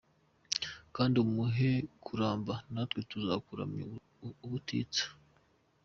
kandi umuhe kuramba natwe tuzakuramya ubutitsa.